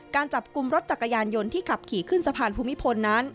การจับกลุ่มรถจักรยานยนต์ที่ขับขี่ขึ้นสะพานภูมิพลนั้น